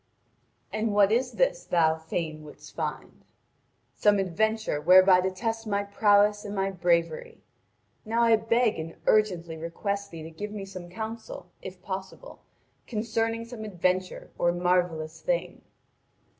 'And what is this thou fain wouldst find?' 'Some adventure whereby to test my prowess and my bravery. Now I beg and urgently request thee to give me some counsel, if possible, concerning some adventure or marvellous thing.'